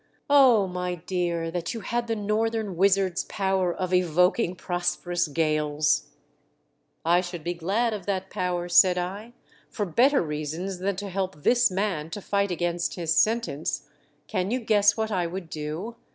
O, my dear, that you had the northern wizard's power of evoking prosperous gales !"" I should be glad of that power," said I, " for better reasons than to help this man to fight against his Sentence. Can you guess what I would do